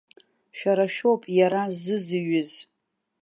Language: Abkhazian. Шәара шәоуп иара ззызҩыз.